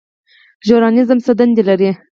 ژورنالیزم څه دنده لري؟